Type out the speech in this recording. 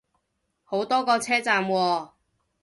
好多個車站喎